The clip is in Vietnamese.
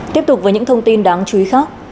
tiếp tục với những thông tin đáng chú ý khác